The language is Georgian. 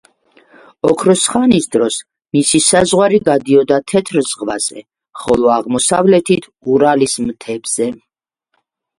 ოქროს ხანის დროს მისი საზღვარი გადიოდა თეთრ ზღვაზე, ხოლო აღმოსავლეთით ურალის მთებზე.